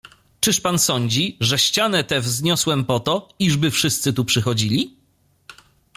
"Czyż pan sądzi, że ścianę tę wzniosłem po to, iżby wszyscy tu przychodzili?"